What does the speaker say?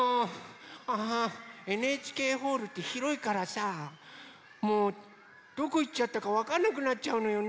ああＮＨＫホールってひろいからさもうどこいっちゃったかわかんなくなっちゃうのよね。